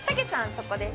そこです。